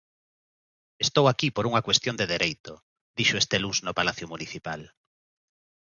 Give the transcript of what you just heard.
"Estou aquí por unha cuestión de dereito", dixo este luns no palacio municipal.